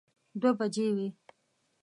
دوه بجې وې.